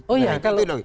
oh ya kalau itu